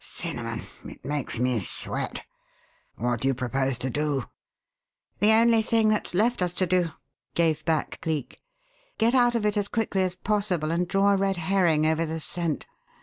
Cinnamon, it makes me sweat! What do you propose to do?" "The only thing that's left us to do," gave back Cleek. "Get out of it as quickly as possible and draw a red herring over the scent.